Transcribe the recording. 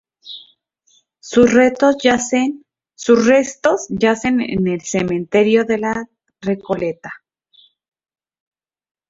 Sus restos yacen en el Cementerio de la Recoleta.